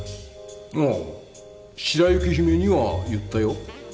ああ白雪姫には言ったよ。